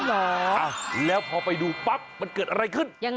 อ้าวแล้วพอไปดูปั๊บมันเกิดอะไรขึ้น